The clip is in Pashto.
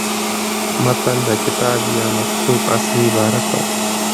متن د کتاب یا مکتوت اصلي عبارت ته وايي.